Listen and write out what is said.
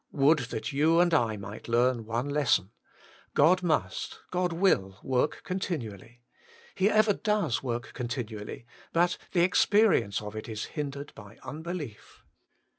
Would that you and I might learn one lesson : God must, God will work continually. He ever does work continually, but the experience of it is hindered by unbelief.